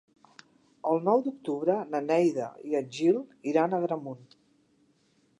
El nou d'octubre na Neida i en Gil iran a Agramunt.